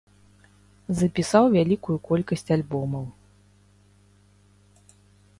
Запісаў вялікую колькасць альбомаў.